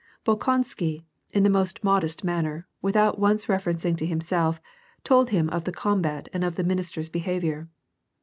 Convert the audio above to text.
Bolkonsky, in the most modest manner, without once refer ring to himself, told him of the combat and of the ministers' behavior.